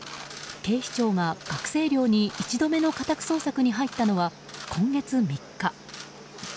警視庁が学生寮に１度目の家宅捜索に入ったのは今月３日。